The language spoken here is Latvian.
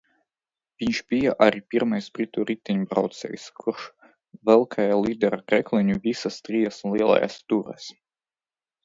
Viņš bija arī pirmais britu riteņbraucējs, kurš valkājis līdera krekliņu visās trijās Lielajās tūrēs.